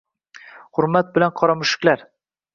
Hurmat bilan ©Qora Mushuklar